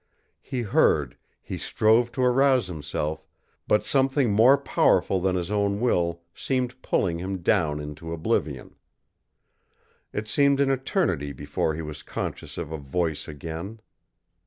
He heard, he strove to arouse himself, but something more powerful than his own will seemed pulling him down into oblivion. It seemed an eternity before he was conscious of a voice again.